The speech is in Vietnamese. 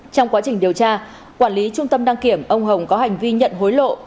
trong quá trình điều tra quản lý trung tâm đăng kiểm ông hồng có hành vi nhận hối lộ